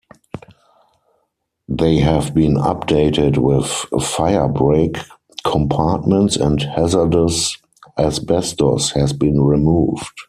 They have been updated with firebreak compartments and hazardous asbestos has been removed.